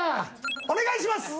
お願いします。